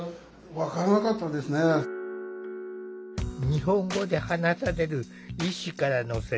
日本語で話される医師からの説明。